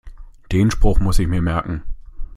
Den Spruch muss ich mir merken.